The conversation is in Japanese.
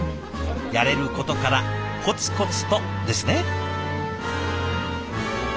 やれることからコツコツとですね！